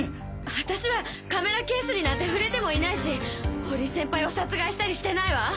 私はカメラケースになんて触れてもいないし堀井先輩を殺害したりしてないわ！